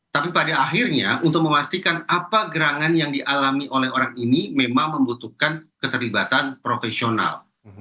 tapi pada akhirnya untuk memastikan apa gerangan yang dialami oleh orang ini memang membutuhkan keterlibatan profesional